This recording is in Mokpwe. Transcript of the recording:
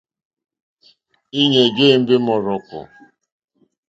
Íɲá jé ěmbé mɔ́rzɔ̀kɔ̀.